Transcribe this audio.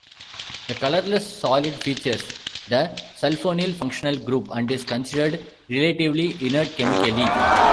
This colorless solid features the sulfonyl functional group and is considered relatively inert chemically.